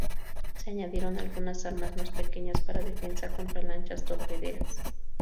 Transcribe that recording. Se añadieron algunas armas más pequeñas para defensa contra lanchas torpederas.